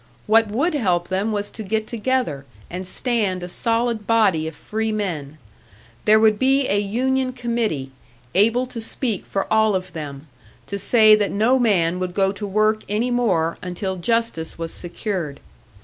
What would help them was to get together, and stand a solid body of free men. There would be a union committee, able to speak for all of them, to say that no man would go to work any more until justice was secured!